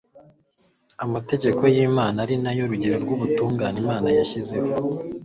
Amategeko yImana ari na yo rugero rwubutungane Imana yashyizeho